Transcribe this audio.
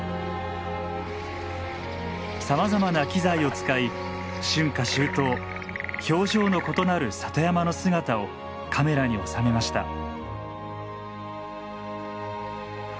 さまざまな機材を使い春夏秋冬表情の異なる里山の姿をカメラに収めました。